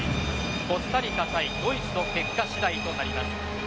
コスタリカ対ドイツの結果次第となります。